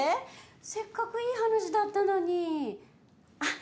せっかくいい話だったのに。